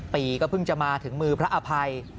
ปีก็เพิ่งจะมาถึงมือพระอภัย